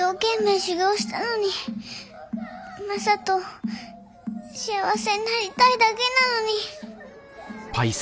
マサと幸せになりたいだけなのに。